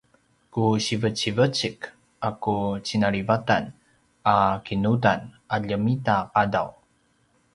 ku sivecivecik a ku cinalivatan a kinudan a ljemitaqadaw